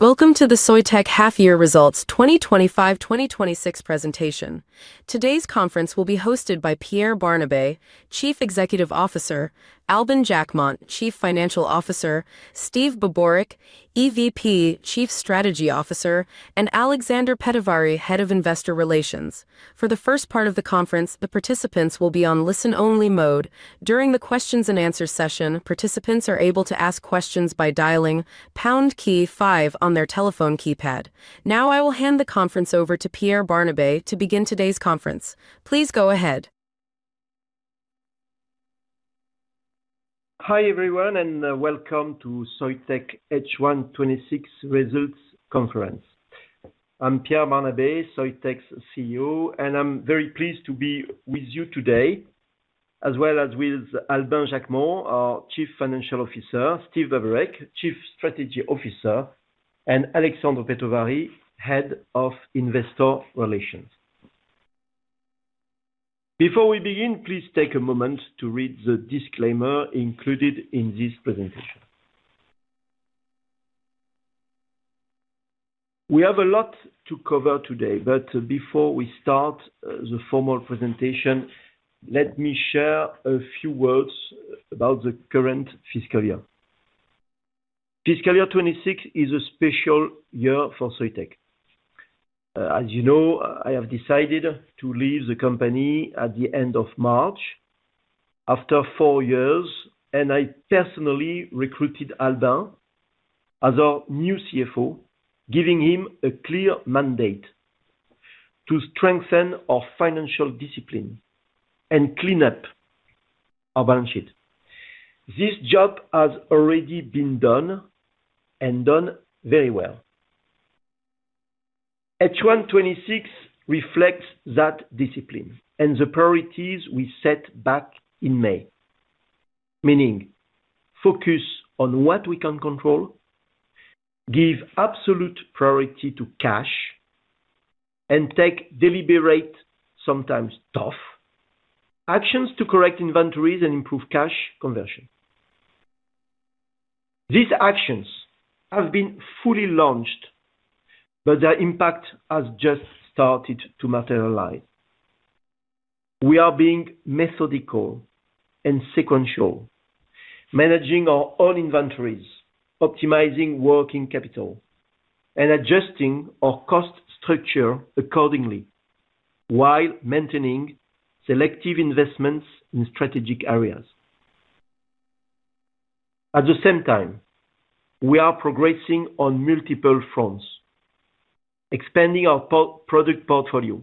Welcome to the Soitec half-year results 2025-2026 presentation. Today's conference will be hosted by Pierre Barnabé, Chief Executive Officer; Albin Jacquemont, Chief Financial Officer; Steve Babureck, EVP, Chief Strategy Officer; and Alexandre Petovari, Head of Investor Relations. For the first part of the conference, the participants will be on listen-only mode. During the Q&A session, participants are able to ask questions by dialing pound key five on their telephone keypad. Now, I will hand the conference over to Pierre Barnabé to begin today's conference. Please go ahead. Hi everyone, and Welcome to Soitec H1 2026 results conference. I'm Pierre Barnabé, Soitec's CEO, and I'm very pleased to be with you today, as well as with Albin Jacquemont, our Chief Financial Officer, Steve Babureck, Chief Strategy Officer, and Alexandre Petovari, Head of Investor Relations. Before we begin, please take a moment to read the disclaimer included in this presentation. We have a lot to cover today, but before we start the formal presentation, let me share a few words about the current fiscal year. Fiscal year 2026 is a special year for Soitec. As you know, I have decided to leave the company at the end of March after four years, and I personally recruited Albin as our new CFO, giving him a clear mandate to strengthen our financial discipline and clean up our balance sheet. This job has already been done and done very well. H1 2026 reflects that discipline and the priorities we set back in May, meaning focus on what we can control, give absolute priority to cash, and take deliberate, sometimes tough, actions to correct inventories and improve cash conversion. These actions have been fully launched, but their impact has just started to materialize. We are being methodical and sequential, managing our own inventories, optimizing working capital, and adjusting our cost structure accordingly while maintaining selective investments in strategic areas. At the same time, we are progressing on multiple fronts: expanding our product portfolio,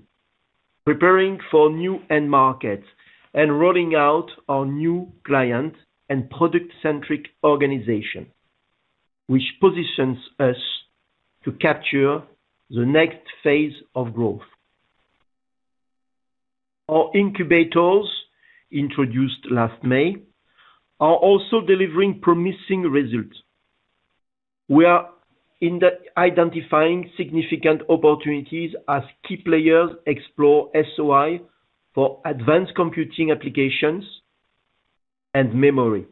preparing for new end markets, and rolling out our new client and product-centric organization, which positions us to capture the next phase of growth. Our incubators, introduced last May, are also delivering promising results. We are identifying significant opportunities as key players explore SOI for advanced computing applications and memory.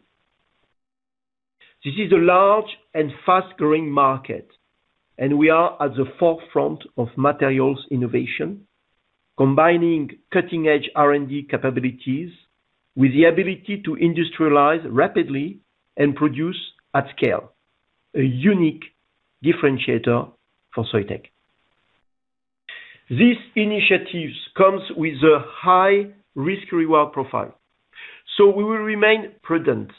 This is a large and fast-growing market, and we are at the forefront of materials innovation, combining cutting-edge R&D capabilities with the ability to industrialize rapidly and produce at scale, a unique differentiator for Soitec. These initiatives come with a high risk-reward profile, so we will remain prudent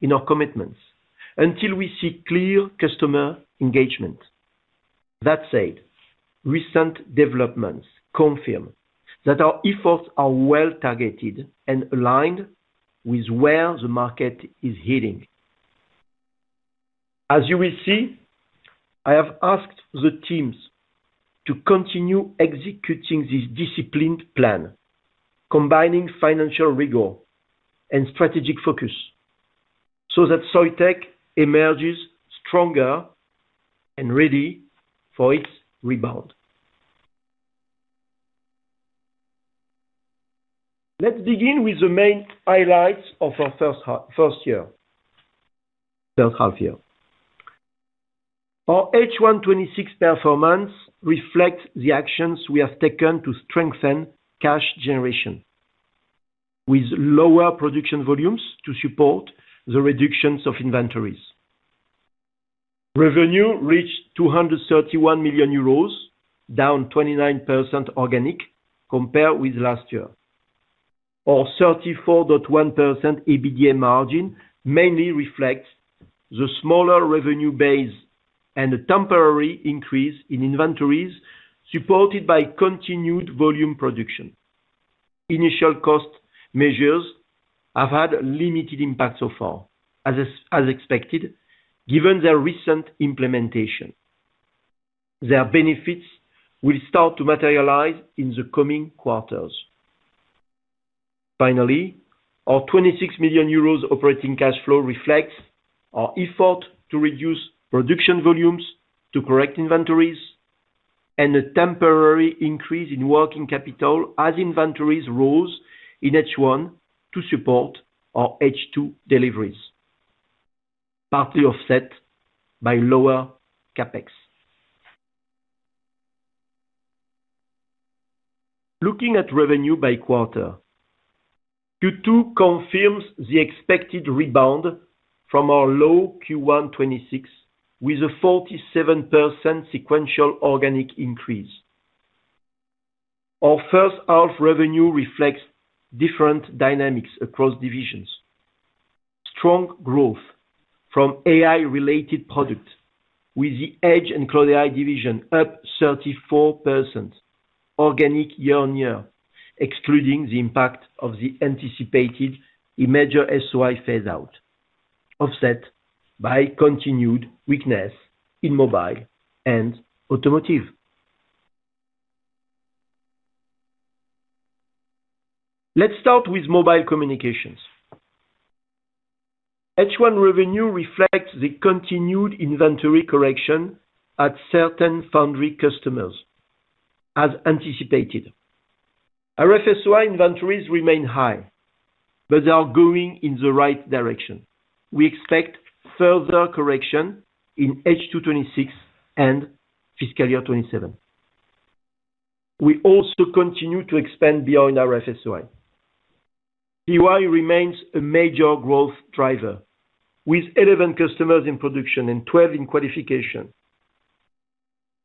in our commitments until we see clear customer engagement. That said, recent developments confirm that our efforts are well-targeted and aligned with where the market is heading. As you will see, I have asked the teams to continue executing this disciplined plan, combining financial rigor and strategic focus, so that Soitec emerges stronger and ready for its rebound. Let's begin with the main highlights of our first half-year. Our H1 2026 performance reflects the actions we have taken to strengthen cash generation, with lower production volumes to support the reductions of inventories. Revenue reached 231 million euros, down 29% organic compared with last year. Our 34.1% EBITDA margin mainly reflects the smaller revenue base and a temporary increase in inventories supported by continued volume production. Initial cost measures have had limited impact so far, as expected, given their recent implementation. Their benefits will start to materialize in the coming quarters. Finally, our 26 million euros operating cash flow reflects our effort to reduce production volumes to correct inventories and a temporary increase in working capital as inventories rose in H1 to support our H2 deliveries, partly offset by lower CapEx. Looking at revenue by quarter, Q2 confirms the expected rebound from our low Q1 2026 with a 47% sequential organic increase. Our first half revenue reflects different dynamics across divisions: strong growth from AI-related products, with the Edge and Cloud AI division up 34% organic year-on-year, excluding the impact of the anticipated major SOI phase-out, offset by continued weakness in Mobile and Automotive. Let's start with Mobile Communications. H1 revenue reflects the continued inventory correction at certain foundry customers, as anticipated. RF-SOI inventories remain high, but they are going in the right direction. We expect further correction in H2 2026 and fiscal year 2027. We also continue to expand beyond RF-SOI. POI remains a major growth driver, with 11 customers in production and 12 in qualification.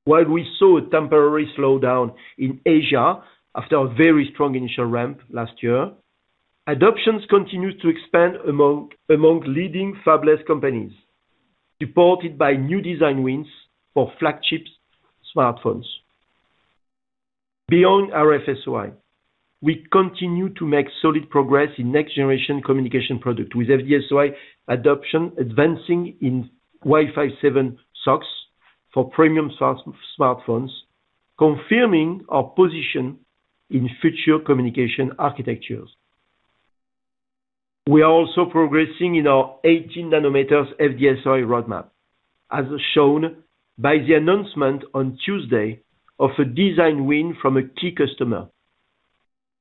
While we saw a temporary slowdown in Asia after a very strong initial ramp last year, adoptions continue to expand among leading fabless companies, supported by new design wins for flagship smartphones. Beyond RF-SOI, we continue to make solid progress in next-generation communication products, with adoption advancing in Wi-Fi 7 SoCs for premium smartphones, confirming our position in future communication architectures. We are also progressing in our 18-nanometer roadmap, as shown by the announcement on Tuesday of a design win from a key customer.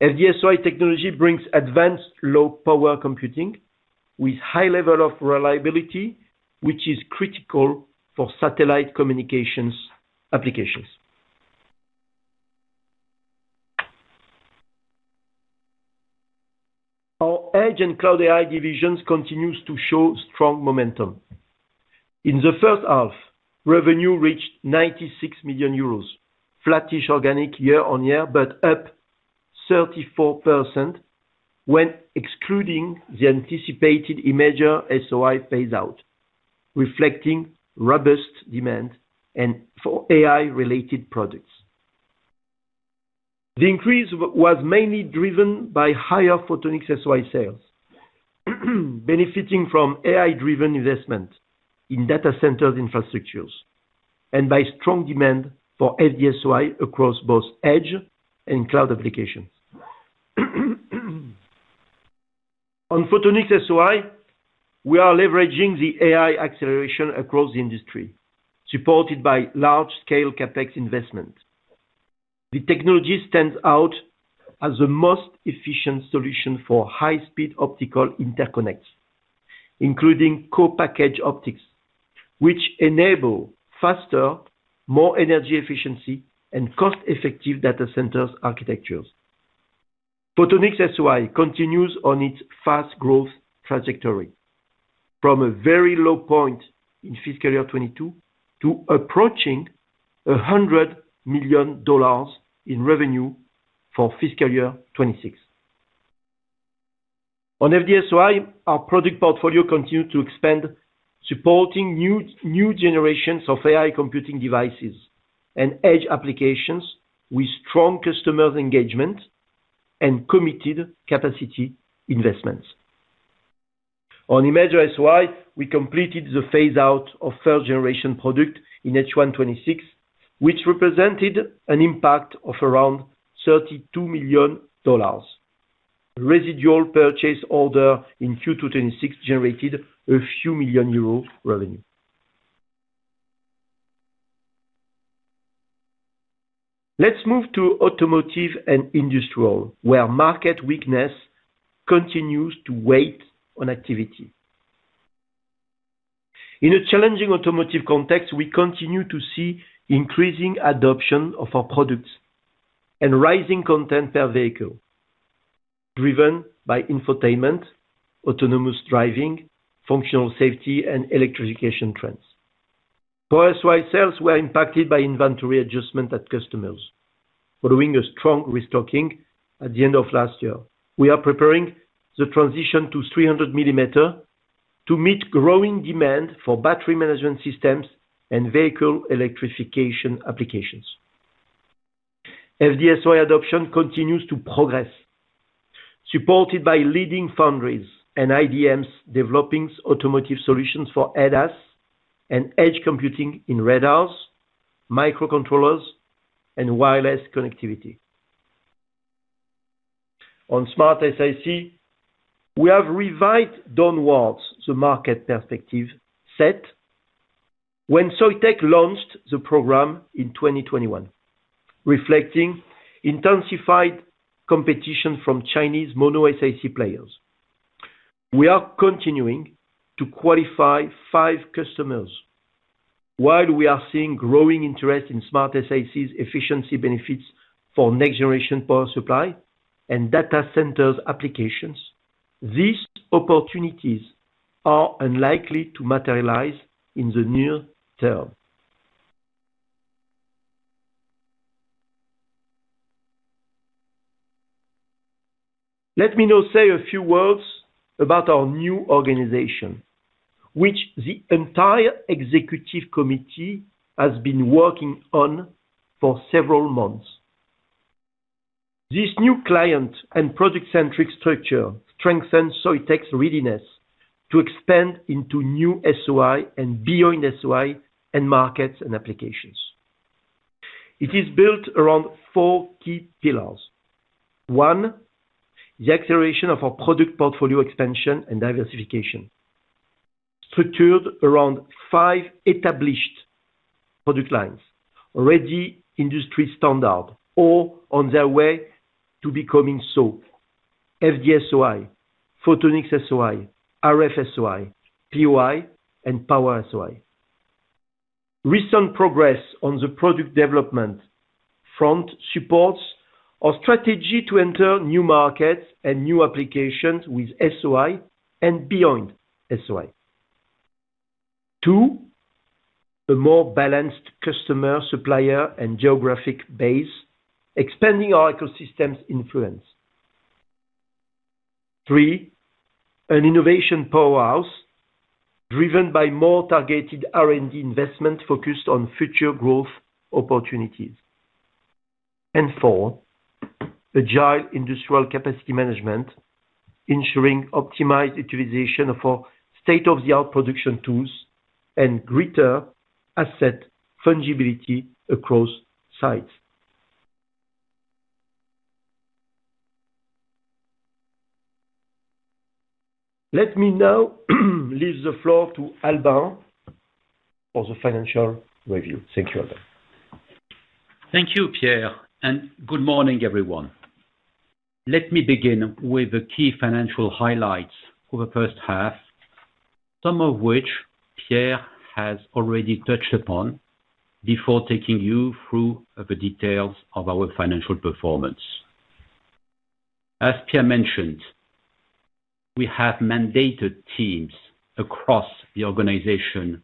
FD-SOI technology brings advanced low-power computing with a high level of reliability, which is critical for satellite communications applications. Our Edge and Cloud AI divisions continue to show strong momentum. In the first half, revenue reached 96 million euros, flattish organic year-on-year, but up 34% when excluding the anticipated major SOI phase-out, reflecting robust demand for AI-related products. The increase was mainly driven by higher Photonics- SOI sales, benefiting from AI-driven investment in data center infrastructures and by strong demand for FD-SOI across both Edge and Cloud applications. On Photonics-SOI, we are leveraging the AI acceleration across the industry, supported by large-scale CapEx investment. The technology stands out as the most efficient solution for high-speed optical interconnects, including co-package optics, which enable faster, more energy-efficient, and cost-effective data center architectures. Photonics-SOI continues on its fast-growth trajectory, from a very low point in fiscal year 2022 to approaching $100 million in revenue for fiscal year 2026. On FD-SOI, our product portfolio continues to expand, supporting new generations of AI computing devices and Edge applications with strong customer engagement and committed capacity investments. On Imager-SOI, we completed the phase-out of first-generation products in H1 2026, which represented an impact of around $32 million. Residual purchase orders in Q2 2026 generated a few million euros in revenue. Let's move to Automotive and Industrial, where market weakness continues to weigh on activity. In a challenging Automotive context, we continue to see increasing adoption of our products and rising content per vehicle, driven by infotainment, autonomous driving, functional safety, and electrification trends. Power-SOI sales were impacted by inventory adjustments at customers, following a strong restocking at the end of last year. We are preparing the transition to 300 mm to meet growing demand for battery management systems and vehicle electrification applications. FD-SOI adoption continues to progress, supported by leading foundries and IDMs developing Automotive solutions for ADAS and edge computing in radars, microcontrollers, and wireless connectivity. On SmartSiC, we have revised downwards the market perspective set when Soitec launched the program in 2021, reflecting intensified competition from Chinese mono SiC players. We are continuing to qualify five customers. While we are seeing growing interest in SmartSiC's efficiency benefits for next-generation power supply and data center applications, these opportunities are unlikely to materialize in the near term. Let me now say a few words about our new organization, which the entire Executive Committee has been working on for several months. This new client and product-centric structure strengthens Soitec's readiness to expand into new SOI and beyond SOI end markets and applications. It is built around four key pillars. One, the acceleration of our product portfolio expansion and diversification, structured around five established product lines, ready industry standard or on their way to becoming so: FD-SOI, Photonics-SOI, RF-SOI, POI, and Power-SOI. Recent progress on the product development front supports our strategy to enter new markets and new applications with SOI and beyond SOI. Two, a more balanced customer, supplier, and geographic base, expanding our ecosystem's influence. Three, an innovation powerhouse driven by more targeted R&D investment focused on future growth opportunities. Four, agile industrial capacity management, ensuring optimized utilization of our state-of-the-art production tools and greater asset fungibility across sites. Let me now leave the floor to Albin for the financial review. Thank you, Albin. Thank you, Pierre, and good morning, everyone. Let me begin with the key financial highlights for the first half, some of which Pierre has already touched upon before taking you through the details of our financial performance. As Pierre mentioned, we have mandated teams across the organization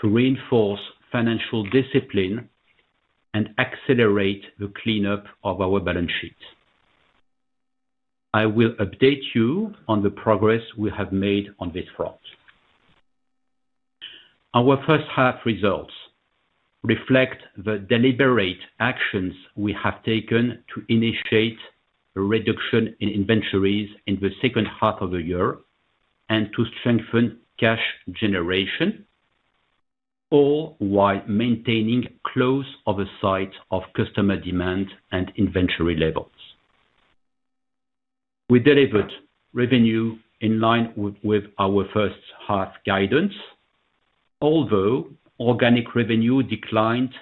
to reinforce financial discipline and accelerate the cleanup of our balance sheet. I will update you on the progress we have made on this front. Our first half results reflect the deliberate actions we have taken to initiate a reduction in inventories in the second half of the year and to strengthen cash generation, all while maintaining close oversight of customer demand and inventory levels. We delivered revenue in line with our first half guidance, although organic revenue declined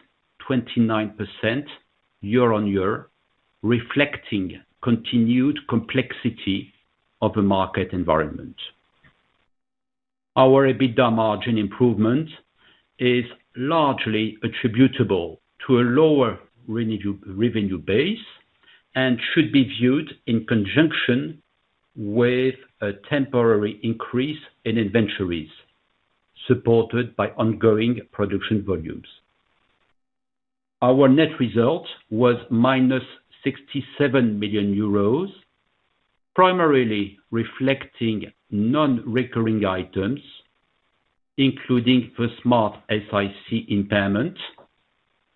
29% year-on-year, reflecting continued complexity of the market environment. Our EBITDA margin improvement is largely attributable to a lower revenue base and should be viewed in conjunction with a temporary increase in inventories supported by ongoing production volumes. Our net result was -67 million euros, primarily reflecting non-recurring items, including the SmartSiC impairment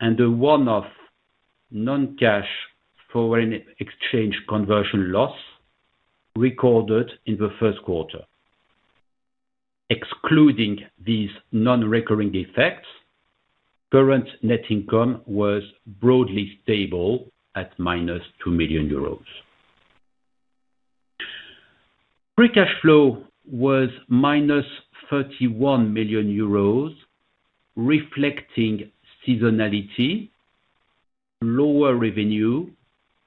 and the one-off non-cash foreign exchange conversion loss recorded in the first quarter. Excluding these non-recurring effects, current net income was broadly stable at -2 Free Cash Flow was -31 million euros, reflecting seasonality, lower revenue,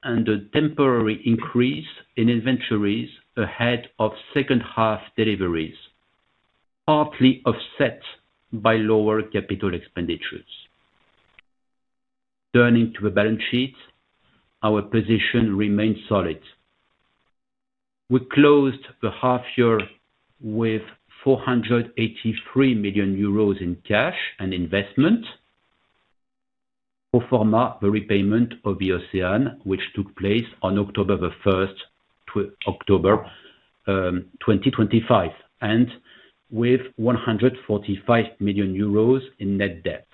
and a temporary increase in inventories ahead of second half deliveries, partly offset by lower capital expenditures. Turning to the balance sheet, our position remained solid. We closed the half year with 483 million euros in cash and investment, pro forma the repayment of the OCEANE, which took place on October 1st to October 2025, and with 145 million euros in net debt.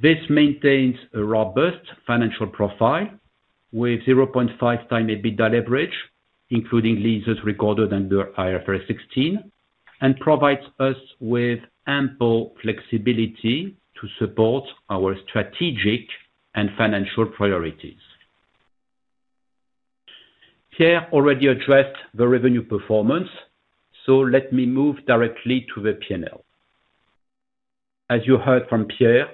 This maintains a robust financial profile with 0.5x EBITDA leverage, including leases recorded under IFRS 16, and provides us with ample flexibility to support our strategic and financial priorities. Pierre already addressed the revenue performance, so let me move directly to the P&L. As you heard from Pierre,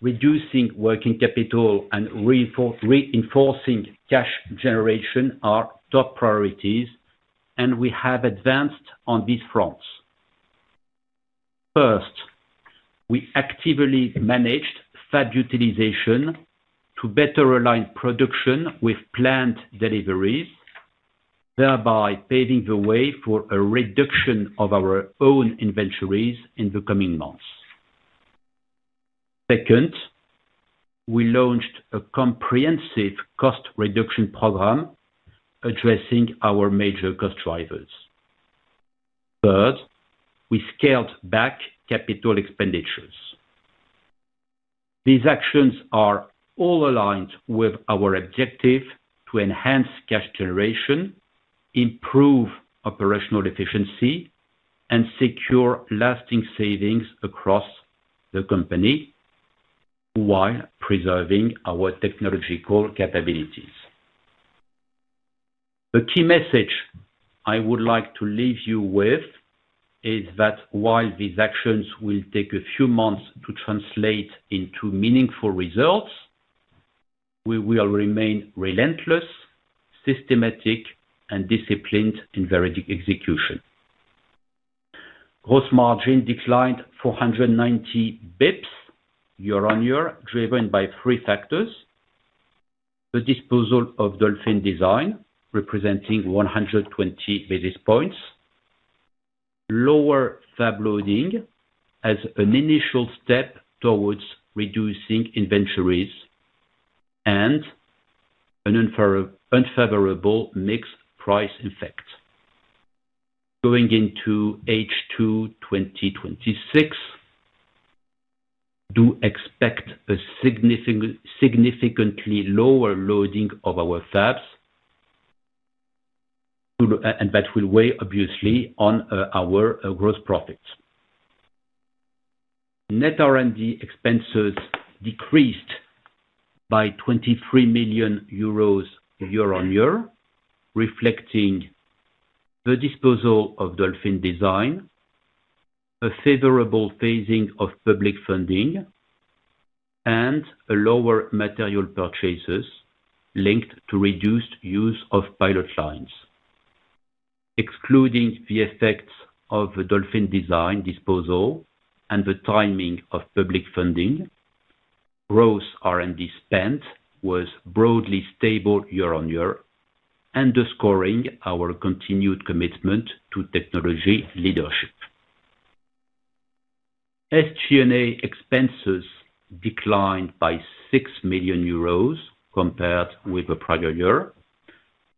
reducing working capital and reinforcing cash generation are top priorities, and we have advanced on these fronts. First, we actively managed FAD utilization to better align production with planned deliveries, thereby paving the way for a reduction of our own inventories in the coming months. Second, we launched a comprehensive cost reduction program addressing our major cost drivers. Third, we scaled back capital expenditures. These actions are all aligned with our objective to enhance cash generation, improve operational efficiency, and secure lasting savings across the company while preserving our technological capabilities. The key message I would like to leave you with is that while these actions will take a few months to translate into meaningful results, we will remain relentless, systematic, and disciplined in their execution. Gross margin declined 490 bps year-on-year, driven by three factors: the disposal of Dolphin Design, representing 120 basis points; lower fab loading as an initial step towards reducing inventories; and an unfavorable mixed price effect. Going into H2 2026, do expect a significantly lower loading of our fabs, and that will weigh, obviously, on our gross profits. Net R&D expenses decreased by EUR 23 million year-on-year, reflecting the disposal of Dolphin Design, a favorable phasing of public funding, and lower material purchases linked to reduced use of pilot lines. Excluding the effects of the Dolphin Design disposal and the timing of public funding, gross R&D spend was broadly stable year-on-year, underscoring our continued commitment to technology leadership. SG&A expenses declined by 6 million euros compared with the prior year,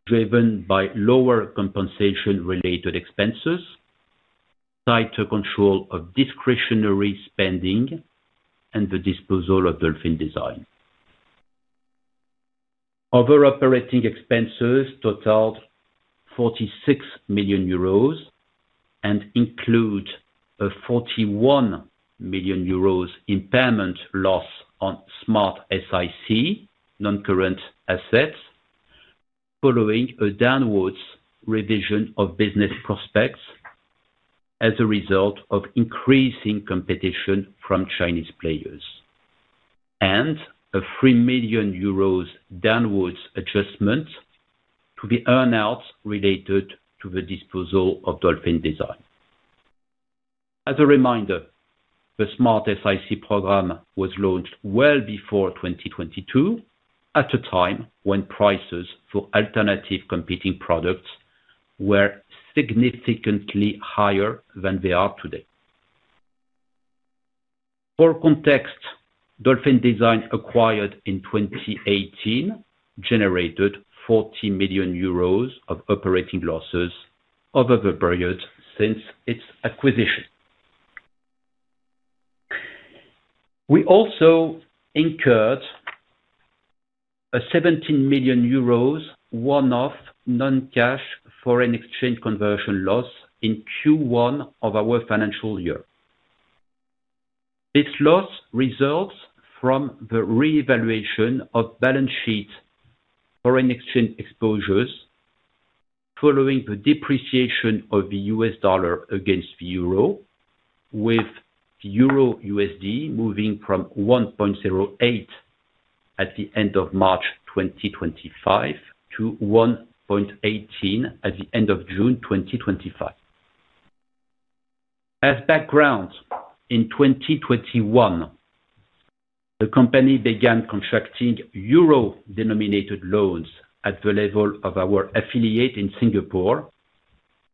driven by lower compensation-related expenses, tighter control of discretionary spending, and the disposal of Dolphin Design. Other operating expenses totaled 46 million euros and include a 41 million euros impairment loss on SmartSiC non-current assets, following a downwards revision of business prospects as a result of increasing competition from Chinese players, and a 3 million euros downwards adjustment to the earnings related to the disposal of Dolphin Design. As a reminder, the SmartSiC program was launched well before 2022, at a time when prices for alternative competing products were significantly higher than they are today. For context, Dolphin Design, acquired in 2018, generated 40 million euros of operating losses over the period since its acquisition. We also incurred a 17 million euros one-off non-cash foreign exchange conversion loss in Q1 of our financial year. This loss results from the reevaluation of balance sheet foreign exchange exposures following the depreciation of the U.S. dollar against the euro, with the EUR/USD moving from 1.08 at the end of March 2025 to 1.18 at the end of June 2025. As background, in 2021, the company began contracting euro-denominated loans at the level of our affiliate in Singapore,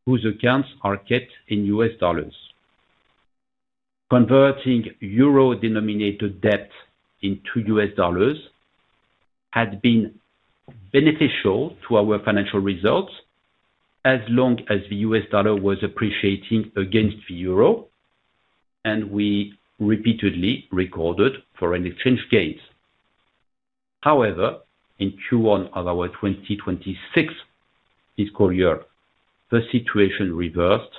whose accounts are kept in U.S. dollars. Converting euro-denominated debt into U.S. dollars had been beneficial to our financial results as long as the U.S. dollar was appreciating against the euro, and we repeatedly recorded foreign exchange gains. However, in Q1 of our 2026 fiscal year, the situation reversed,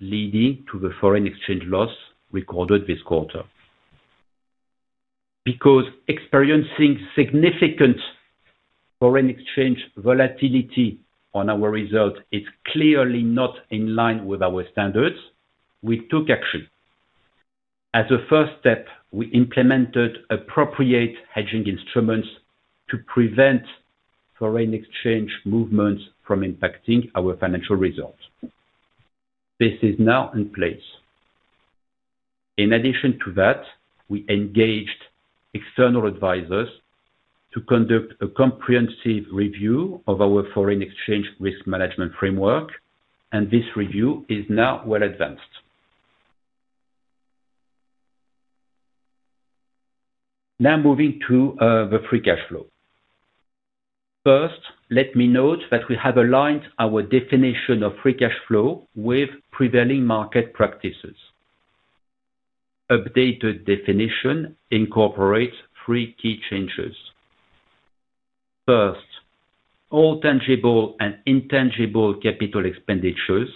leading to the foreign exchange loss recorded this quarter. Because experiencing significant foreign exchange volatility on our result is clearly not in line with our standards, we took action. As a first step, we implemented appropriate hedging instruments to prevent foreign exchange movements from impacting our financial results. This is now in place. In addition to that, we engaged external advisors to conduct a comprehensive review of our foreign exchange risk management framework, and this review is now well advanced. Now moving to the Free Cash Flow. First, let me note that we have aligned our definition of Free Cash Flow with prevailing market practices. Updated definition incorporates three key changes. First, all tangible and intangible capital expenditures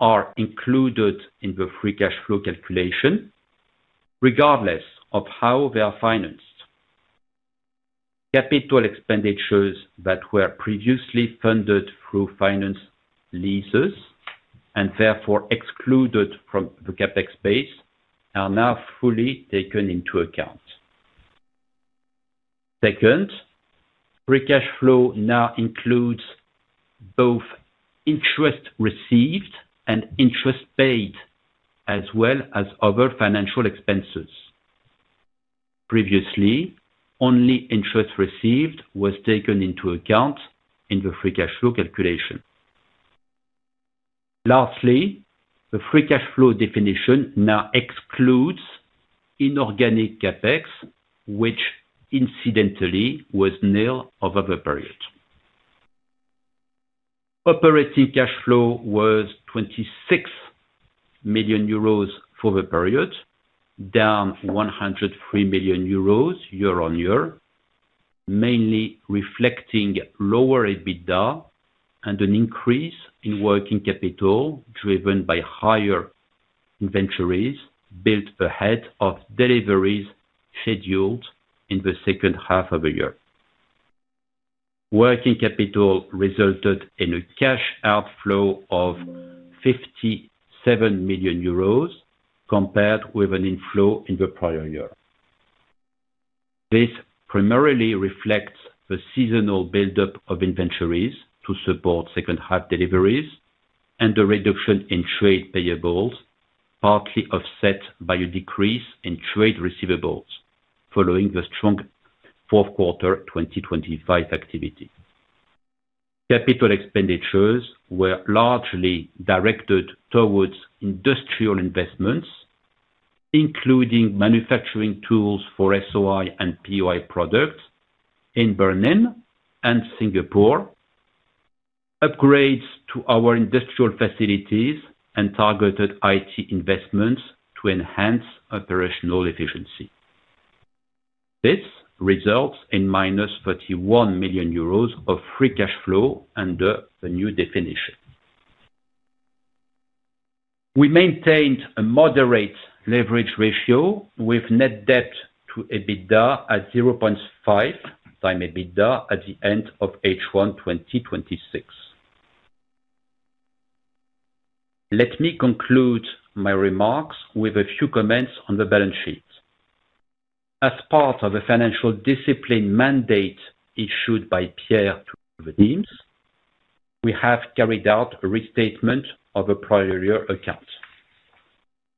are included in the Free Cash Flow calculation, regardless of how they are financed. Capital expenditures that were previously funded through finance leases and therefore excluded from the CapEx base are now fully taken into account. Second, Free Cash Flow now includes both interest received and interest paid, as well as other financial expenses. Previously, only interest received was taken into account in the Free Cash Flow calculation. Lastly, the Free Cash Flow definition now excludes inorganic CapEx, which incidentally was nil over the period. Operating cash flow was 26 million euros for the period, down 103 million euros year-on-year, mainly reflecting lower EBITDA and an increase in working capital driven by higher inventories built ahead of deliveries scheduled in the second half of the year. Working capital resulted in a cash outflow of 57 million euros compared with an inflow in the prior year. This primarily reflects the seasonal buildup of inventories to support second half deliveries and the reduction in trade payables, partly offset by a decrease in trade receivables following the strong fourth quarter 2025 activity. Capital expenditures were largely directed towards industrial investments, including manufacturing tools for SOI and POI products in Berlin and Singapore, upgrades to our industrial facilities, and targeted IT investments to enhance operational efficiency. This results in 31 million euros of Free Cash Flow under the new definition. We maintained a moderate leverage ratio with net debt to EBITDA at 0.5x EBITDA at the end of H1 2026. Let me conclude my remarks with a few comments on the balance sheet. As part of the financial discipline mandate issued by Pierre to the teams, we have carried out a restatement of a prior year account.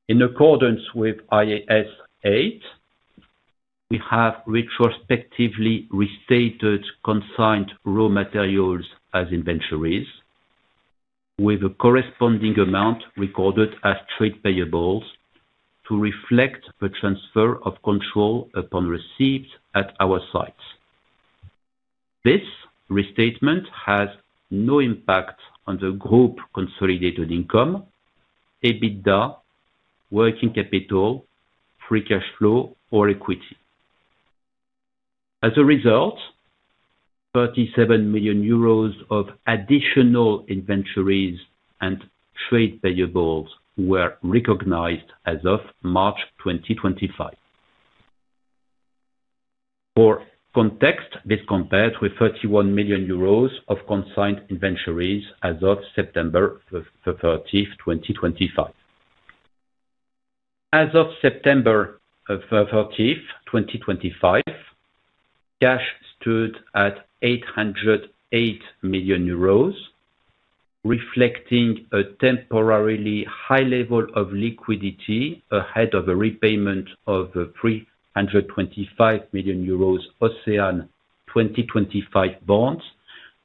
In accordance with IAS 8, we have retrospectively restated consigned raw materials as inventories, with a corresponding amount recorded as trade payables to reflect the transfer of control upon receipt at our sites. This restatement has no impact on the group consolidated income, EBITDA, working capital, Free Cash Flow, or equity. As a result, 37 million euros of additional inventories and trade payables were recognized as of March 2025. For context, this compares with 31 million euros of consigned inventories as of September 30, 2025. As of September 30, 2025, cash stood at 808 million euros, reflecting a temporarily high level of liquidity ahead of a repayment of the 325 million euros OCEANE 2025 bonds,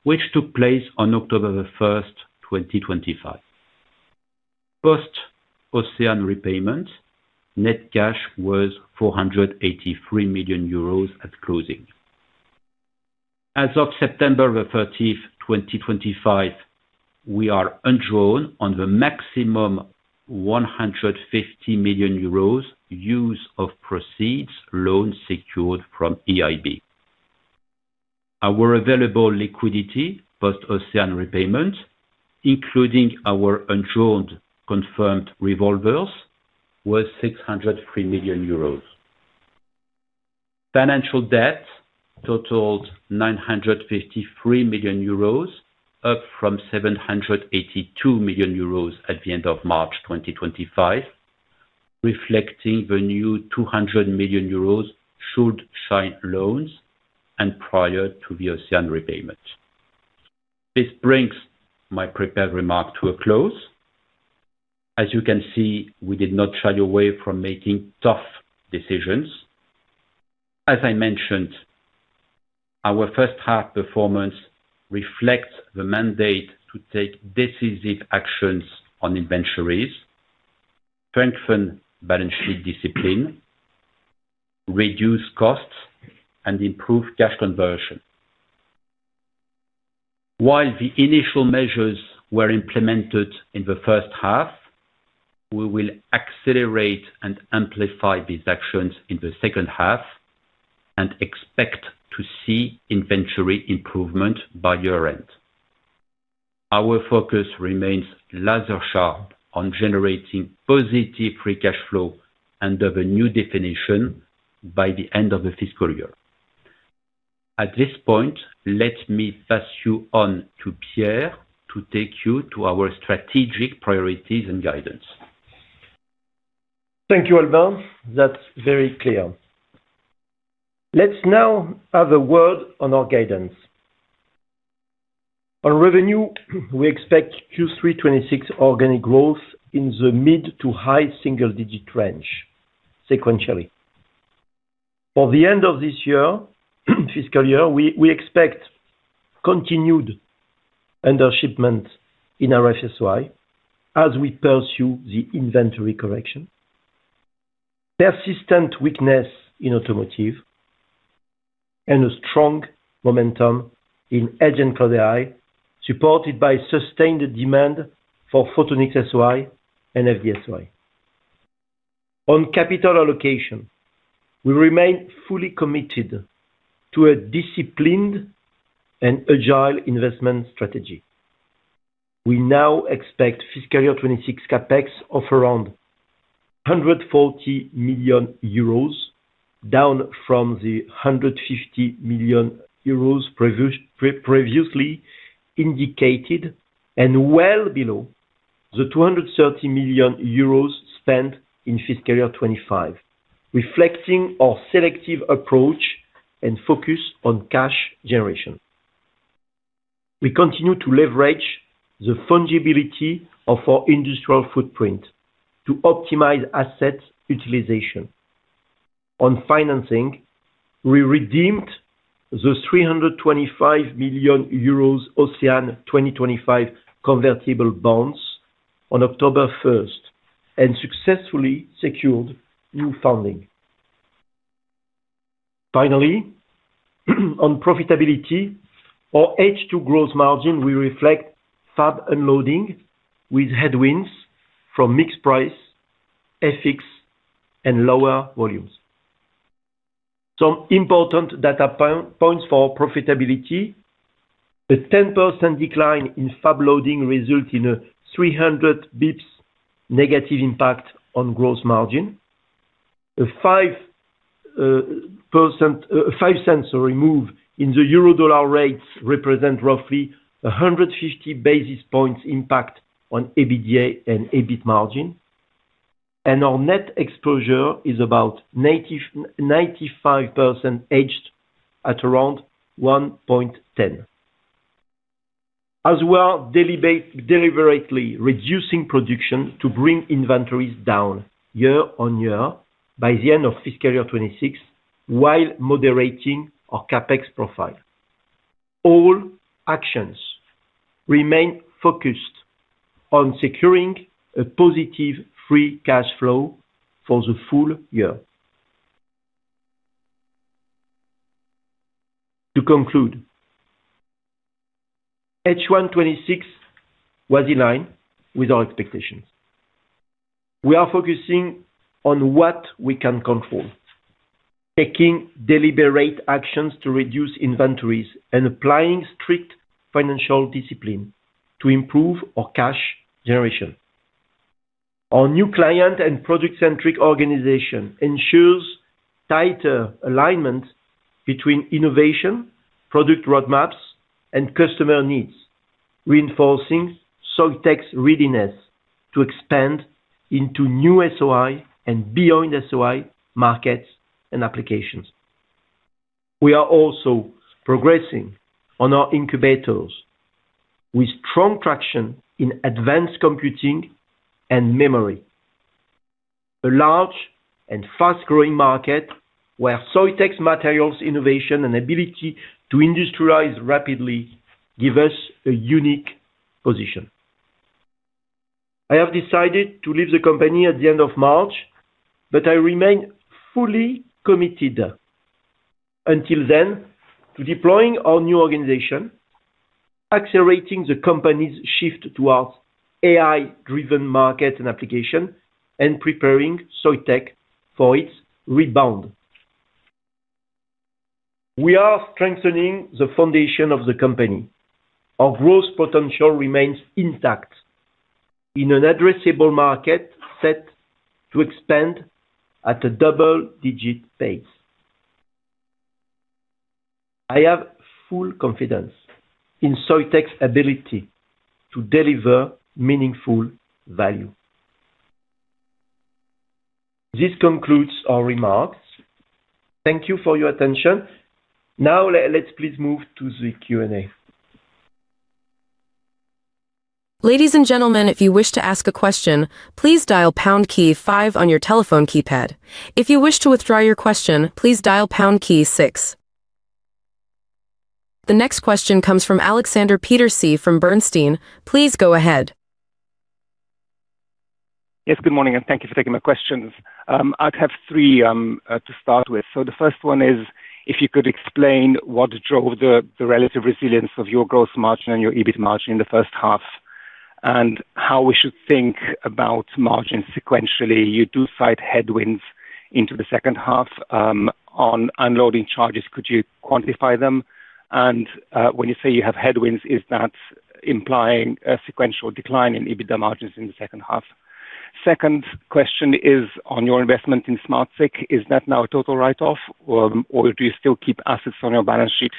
which took place on October 1st, 2025. Post-OCEANE repayment, net cash was 483 million euros at closing. As of September 30th, 2025, we are undrawn on the maximum 150 million euros use of proceeds loan secured from EIB. Our available liquidity post-OCEANE repayment, including our undrawn confirmed revolvers, was 603 million euros. Financial debt totaled 953 million euros, up from 782 million euros at the end of March 2025, reflecting the new 200 million euros Schuldschein loans and prior to the OCEANE repayment. This brings my prepared remarks to a close. As you can see, we did not shy away from making tough decisions. As I mentioned, our first half performance reflects the mandate to take decisive actions on inventories, strengthen balance sheet discipline, reduce costs, and improve cash conversion. While the initial measures were implemented in the first half, we will accelerate and amplify these actions in the second half and expect to see inventory improvement by year-end. Our focus remains laser-sharp on generating positive Free Cash Flow under the new definition by the end of the fiscal year. At this point, let me pass you on to Pierre to take you to our strategic priorities and guidance. Thank you, Albin. That's very clear. Let's now have a word on our guidance. On revenue, we expect Q3 2026 organic growth in the mid to high single-digit range sequentially. For the end of this year, fiscal year, we expect continued under-shipment in our FD-SOI as we pursue the inventory correction, persistent weakness in Automotive, and a strong momentum in Edge and Cloud AI, supported by sustained demand for Photonics-SOI and FD-SOI. On capital allocation, we remain fully committed to a disciplined and agile investment strategy. We now expect fiscal year 2026 CapEx of around 140 million euros, down from the 150 million euros previously indicated and well below the 230 million euros spent in fiscal year 2025, reflecting our selective approach and focus on cash generation. We continue to leverage the fungibility of our industrial footprint to optimize asset utilization. On financing, we redeemed the 325 million euros OCEANE 2025 convertible bonds on October 1st and successfully secured new funding. Finally, on profitability, our H2 gross margin will reflect fab unloading with headwinds from mixed price, FX, and lower volumes. Some important data points for profitability: a 10% decline in fab loading resulted in a 300 bps- impact on gross margin. A 5% remove in the euro/dollar rates represents roughly 150 basis points impact on EBITDA and EBIT margin, and our net exposure is about 95% hedged at around 1.10. As well, deliberately reducing production to bring inventories down year-on-year by the end of fiscal year 2026 while moderating our CapEx profile. All actions remain focused on securing a positive Free Cash Flow for the full year. To conclude, H1 2026 was in line with our expectations. We are focusing on what we can control, taking deliberate actions to reduce inventories and applying strict financial discipline to improve our cash generation. Our new client and product-centric organization ensures tighter alignment between innovation, product roadmaps, and customer needs, reinforcing Soitec's readiness to expand into new SOI and beyond SOI markets and applications. We are also progressing on our incubators with strong traction in advanced computing and memory, a large and fast-growing market where Soitec's materials innovation and ability to industrialize rapidly give us a unique position. I have decided to leave the company at the end of March, but I remain fully committed until then to deploying our new organization, accelerating the company's shift towards AI-driven markets and applications, and preparing Soitec for its rebound. We are strengthening the foundation of the company. Our growth potential remains intact in an addressable market set to expand at a double-digit pace. I have full confidence in Soitec's ability to deliver meaningful value. This concludes our remarks. Thank you for your attention. Now, let's please move to the Q&A. Ladies and gentlemen, if you wish to ask a question, please dial pound key five on your telephone keypad. If you wish to withdraw your question, please dial pound key six. The next question comes from Alexander Peterc from Bernstein. Please go ahead. Yes, good morning, and thank you for taking my questions. I'd have three to start with. The first one is, if you could explain what drove the relative resilience of your gross margin and your EBIT margin in the first half, and how we should think about margin sequentially. You do cite headwinds into the second half on unloading charges. Could you quantify them? When you say you have headwinds, is that implying a sequential decline in EBITDA margins in the second half? Second question is on your investment in SmartSiC. Is that now a total write-off, or do you still keep assets on your balance sheet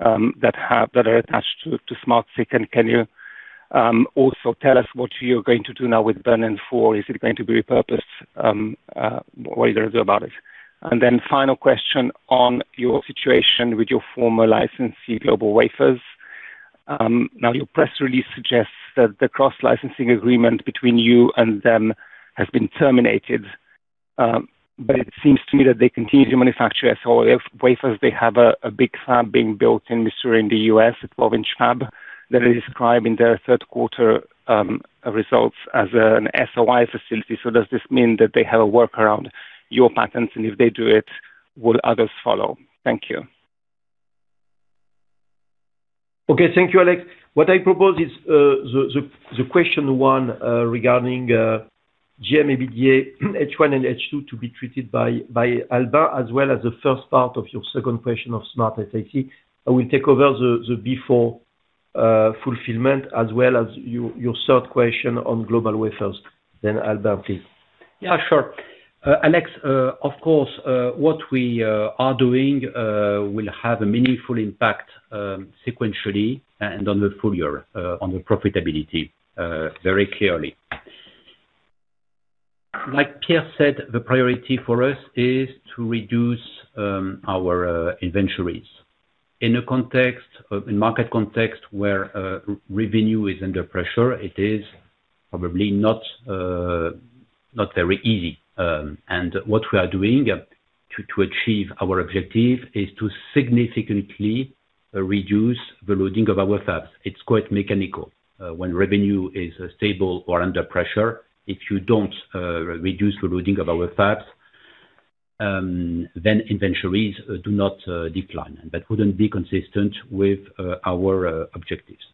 that are attached to SmartSiC? Can you also tell us what you are going to do now with Bernin 4 Is it going to be repurposed? What are you going to do about it? Final question on your situation with your former licensee, Global Wafers. Your press release suggests that the cross-licensing agreement between you and them has been terminated, but it seems to me that they continue to manufacture SOI wafers. They have a big fab being built in Missouri, in the U.S., a 12-inch fab that they describe in their third quarter results as an SOI facility. Does this mean that they have a workaround? Your patents, and if they do it, will others follow? Thank you. Okay, thank you, Alex. What I propose is the question one regarding GM, EBITDA, H1, and H2 to be treated by Albin as well as the first part of your second question of SmartSiC. I will take over the before fulfillment as well as your third question on Global Wafers. Albin, please. Yeah, sure. Alex, of course, what we are doing will have a meaningful impact sequentially and on the full year, on the profitability, very clearly. Like Pierre said, the priority for us is to reduce our inventories. In a market context where revenue is under pressure, it is probably not very easy. What we are doing to achieve our objective is to significantly reduce the loading of our fabs. It is quite mechanical. When revenue is stable or under pressure, if you don't reduce the loading of our fabs, then inventories do not decline, and that wouldn't be consistent with our objectives.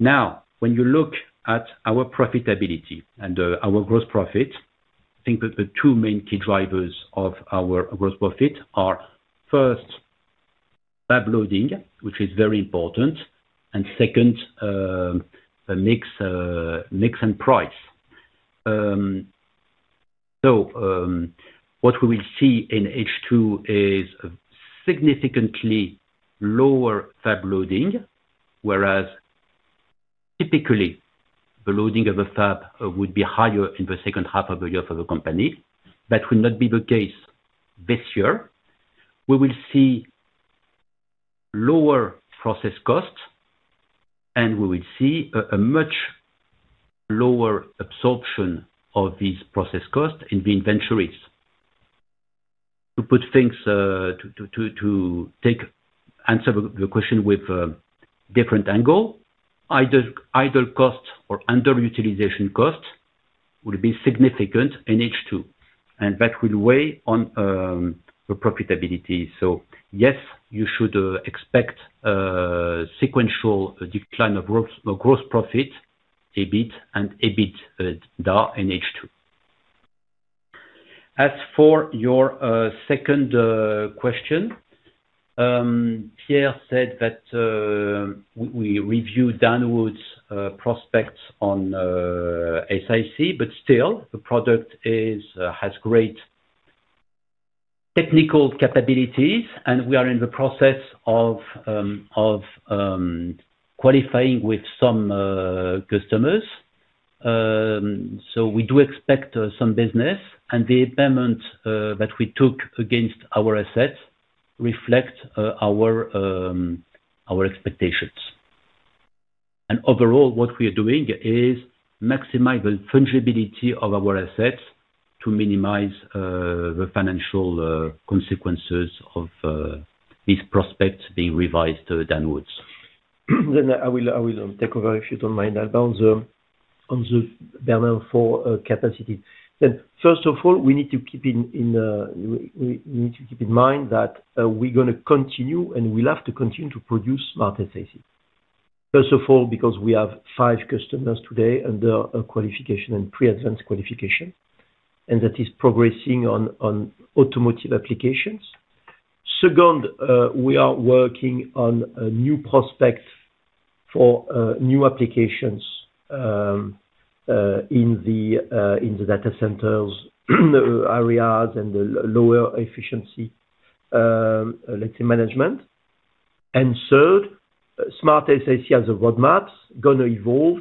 Now, when you look at our profitability and our gross profit, I think the two main key drivers of our gross profit are, first, fab loading, which is very important, and second, mix and price. What we will see in H2 is significantly lower fab loading, whereas typically, the loading of a fab would be higher in the second half of the year for the company, but will not be the case this year. We will see lower process costs, and we will see a much lower absorption of these process costs in the inventories. To put things to take answer the question with a different angle, idle costs or under-utilization costs will be significant in H2, and that will weigh on the profitability. Yes, you should expect sequential decline of gross profit, EBIT, and EBITDA in H2. As for your second question, Pierre said that we reviewed downwards prospects on SmartSiC, but still, the product has great technical capabilities, and we are in the process of qualifying with some customers. We do expect some business, and the impairment that we took against our assets reflects our expectations. Overall, what we are doing is maximize the fungibility of our assets to minimize the financial consequences of these prospects being revised downwards. I will take over, if you do not mind, Albin, on the Bernin 4 capacity. First of all, we need to keep in mind that we're going to continue, and we'll have to continue to produce SmartSiC. First of all, because we have five customers today under qualification and pre-advanced qualification, and that is progressing on Automotive applications. Second, we are working on new prospects for new applications in the data centers areas and the lower efficiency, let's say, management. Third, SmartSiC as a roadmap is going to evolve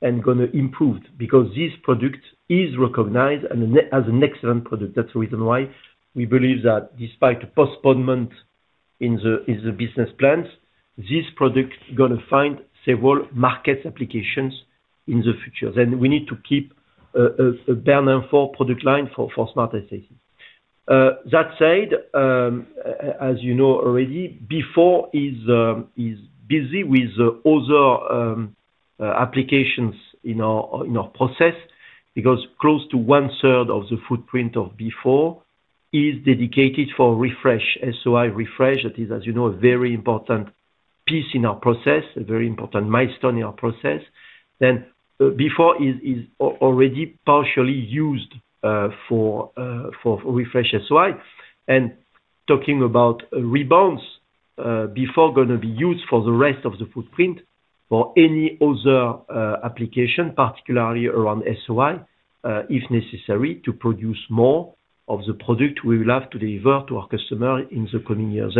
and going to improve because this product is recognized as an excellent product. That's the reason why we believe that despite the postponement in the business plans, this product is going to find several market applications in the future. We need to keep a Bernin 4 product line for SmartSiC. That said, as you know already, B4 is busy with other applications in our process because close to one-third of the footprint of B4 is dedicated for refresh, SOI refresh. That is, as you know, a very important piece in our process, a very important milestone in our process. B4 is already partially used for refresh SOI. Talking about rebounds, B4 is going to be used for the rest of the footprint for any other application, particularly around SOI, if necessary, to produce more of the product we will have to deliver to our customer in the coming years.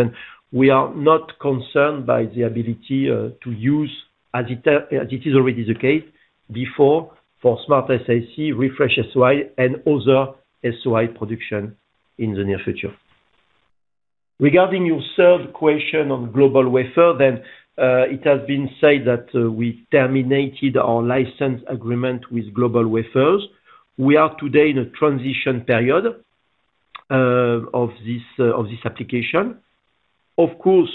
We are not concerned by the ability to use, as it is already the case, B4 for SmartSiC, refresh SOI, and other SOI production in the near future. Regarding your third question on Global Wafers, it has been said that we terminated our license agreement with Global Wafers. We are today in a transition period of this application. Of course,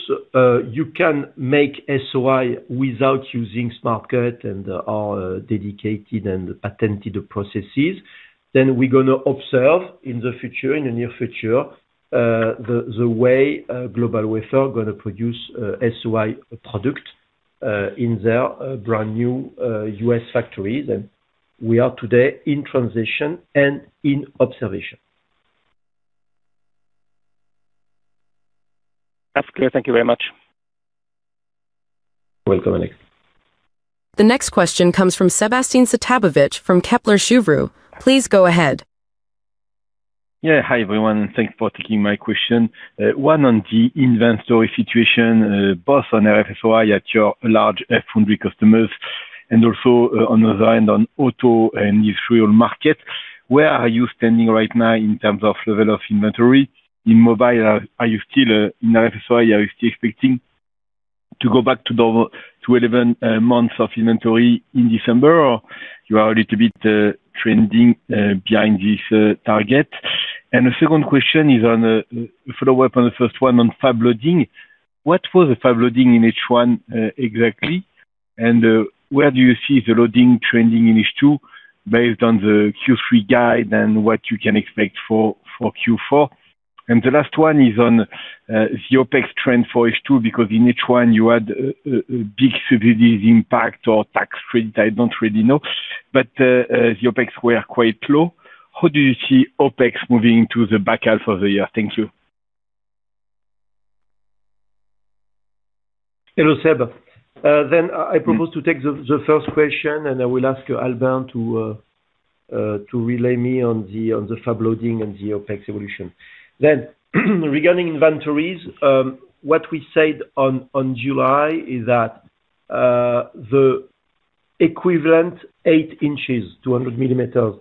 you can make SOI without using Smart Cut and our dedicated and patented processes. We are going to observe in the future, in the near future, the way Global Wafers is going to produce SOI product in their brand new U.S. factories. We are today in transition and in observation. That's clear. Thank you very much. Welcome, Alex. The next question comes from Sébastien Sztabowicz from Kepler Cheuvreux. Please go ahead. Yeah, hi everyone. Thanks for taking my question. One on the inventory situation, both on RF-SOI at your large F100 customers and also on the Auto and Industrial market. Where are you standing right now in terms of level of inventory? In Mobile, are you still in RF-SOI? Are you still expecting to go back to 11 months of inventory in December, or you are a little bit trending behind this target? The second question is on a follow-up on the first one on fab loading. What was the fab loading in H1 exactly, and where do you see the loading trending in H2 based on the Q3 guide and what you can expect for Q4? The last one is on the OpEx trend for H2 because in H1, you had a big civil impact or tax credit. I do not really know, but the OpEx were quite low. How do you see OpEx moving into the back half of the year? Thank you. Hello, Seb. I propose to take the first question, and I will ask Albin to relay me on the fab loading and the OpEx evolution. Regarding inventories, what we said in July is that the equivalent 8 inches, 200 millimeters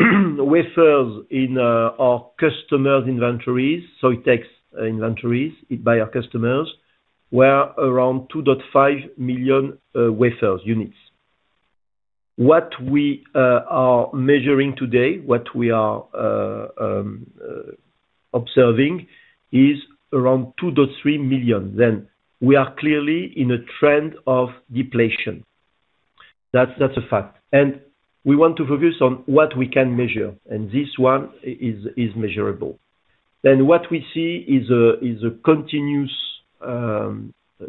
wafers in our customers' inventories, so it takes inventories by our customers, were around 2.5 million wafers units. What we are measuring today, what we are observing, is around 2.3 million. We are clearly in a trend of depletion. That is a fact. We want to focus on what we can measure, and this one is measurable. What we see is a continuous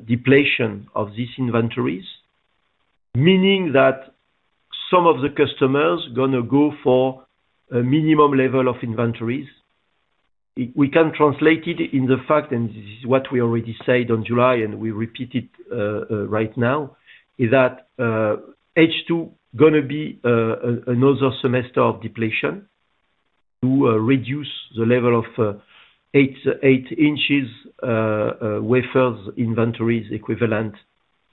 depletion of these inventories, meaning that some of the customers are going to go for a minimum level of inventories. We can translate it in the fact, and this is what we already said in July, and we repeat it right now, is that H2 is going to be another semester of depletion to reduce the level of 8 inches wafers inventories equivalent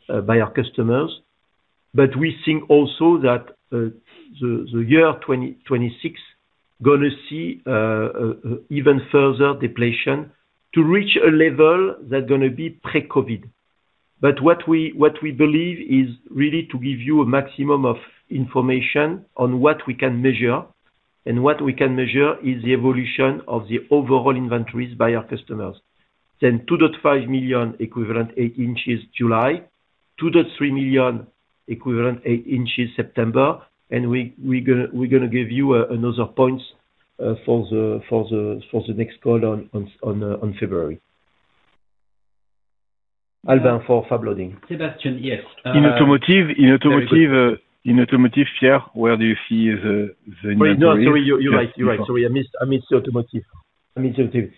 by our customers. We think also that the year 2026 is going to see even further depletion to reach a level that is going to be pre-COVID. What we believe is really to give you a maximum of information on what we can measure, and what we can measure is the evolution of the overall inventories by our customers. 2.5 million equivalent 8 inches July, 2.3 million equivalent 8 inches September, and we are going to give you another points for the next call on February. Albin for fab loading. Sebastian, yes. In Automotive, Pierre, where do you see the need? No, sorry, you are right. You are right. Sorry, I missed the Automotive. I missed the Automotive.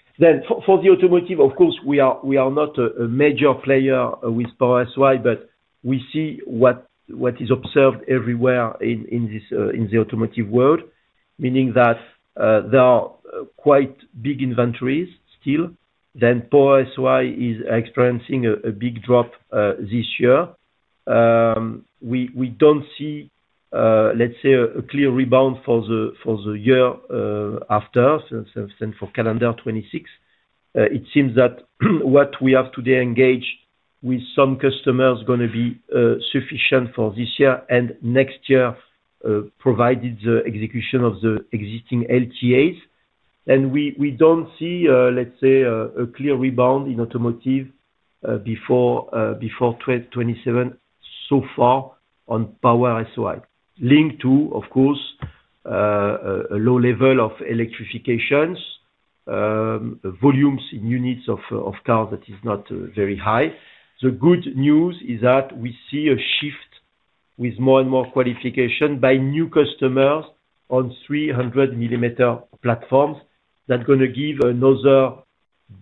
For the Automotive, of course, we are not a major player with Power-SOI, but we see what is observed everywhere in the Automotive world, meaning that there are quite big inventories still. Power-SOI is experiencing a big drop this year. We do not see, let's say, a clear rebound for the year after, for calendar 2026. It seems that what we have today engaged with some customers is going to be sufficient for this year and next year, provided the execution of the existing LTAs. We do not see, let's say, a clear rebound in Automotive before 2027 so far on Power-SOI, linked to, of course, a low level of electrification, volumes in units of cars that is not very high. The good news is that we see a shift with more and more qualification by new customers on 300 mm platforms that are going to give another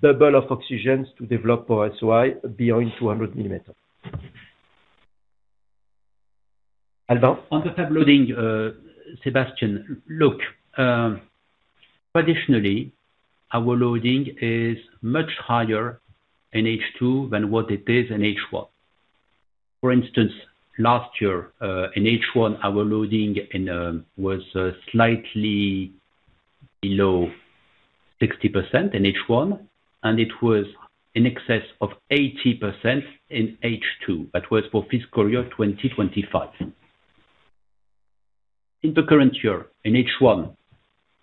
bubble of oxygen to develop Power-SOI beyond 200 mm. Albin? On the fab loading, Sebastian, look, traditionally, our loading is much higher in H2 than what it is in H1. For instance, last year, in H1, our loading was slightly below 60% in H1, and it was in excess of 80% in H2. That was for fiscal year 2025. In the current year, in H1,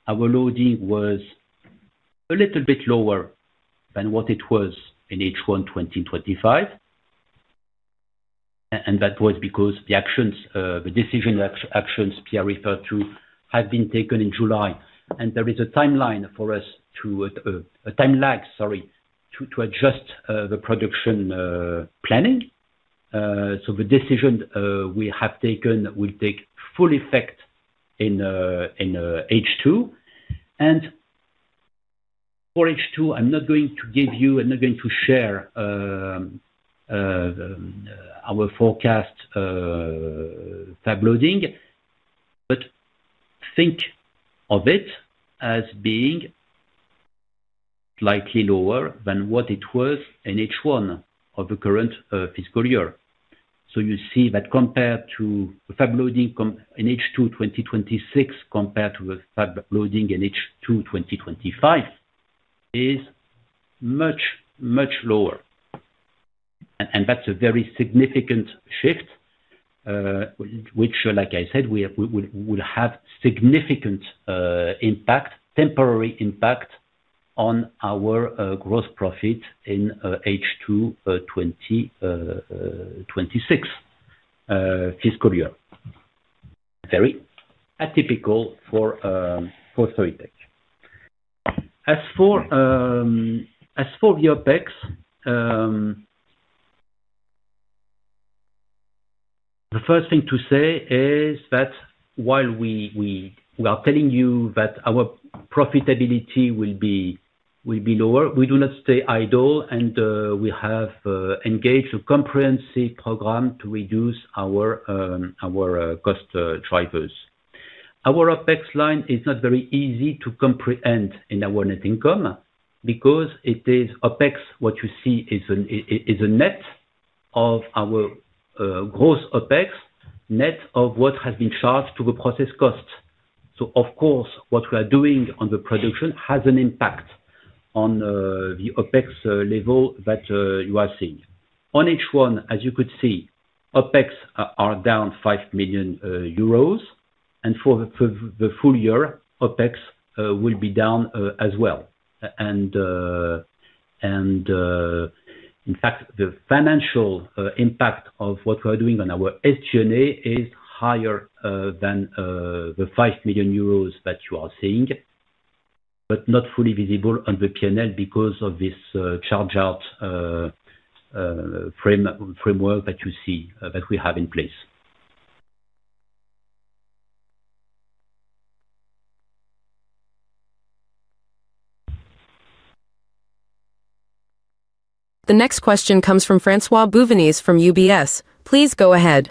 our loading was a little bit lower than what it was in H1 2025. That was because the decision actions Pierre referred to have been taken in July. There is a time lag to adjust the production planning. The decision we have taken will take full effect in H2. For H2, I'm not going to give you, I'm not going to share our forecast fab loading, but think of it as being slightly lower than what it was in H1 of the current fiscal year. You see that compared to the fab loading in H2 2026 compared to the fab loading in H2 2025 is much, much lower. That is a very significant shift, which, like I said, will have significant impact, temporary impact on our gross profit in H2 2026 fiscal year. Very atypical for Power-SOI tech. As for the OpEx, the first thing to say is that while we are telling you that our profitability will be lower, we do not stay idle, and we have engaged a comprehensive program to reduce our cost drivers. Our OpEx line is not very easy to comprehend in our net income because it is OpEx, what you see is a net of our gross OpEx, net of what has been charged to the process cost. Of course, what we are doing on the production has an impact on the OpEx level that you are seeing. On H1, as you could see, OpEx are down 5 million euros. For the full year, OpEx will be down as well. In fact, the financial impact of what we are doing on our SG&A is higher than the 5 million euros that you are seeing, but not fully visible on the P&L because of this charge-out framework that you see that we have in place. The next question comes from François Bouvignies from UBS. Please go ahead.